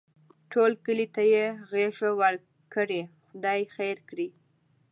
ټول کلي ته یې غېږه ورکړې؛ خدای خیر کړي.